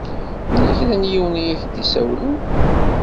Yella kra n yiwen i ak-d-isawlen.